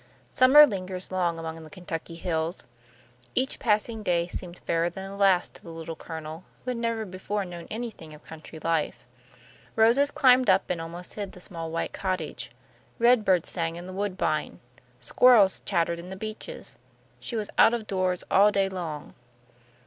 Summer lingers long among the Kentucky hills. Each passing day seemed fairer than the last to the Little Colonel, who had never before known anything of country life. Roses climbed up and almost hid the small white cottage. Red birds sang in the woodbine. Squirrels chattered in the beeches. She was out of doors all day long.